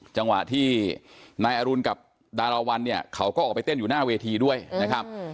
จังหวะที่นายอรุณกับดาราวันเนี่ยเขาก็ออกไปเต้นอยู่หน้าเวทีด้วยนะครับ